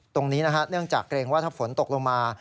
ตรงนี้นะฮะเนื่องจากเกรงว่าถ้าฝนตกลงมา